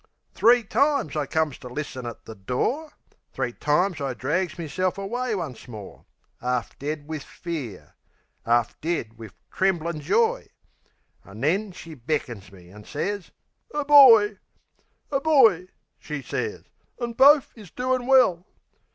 Three times I comes to listen at the door; Three times I drags meself away once more; 'Arf dead wiv fear; 'arf dead wiv tremblin' joy... An' then she beckons me, an' sez "A boy!" "A boy!" she sez. "An' bofe is doin' well!"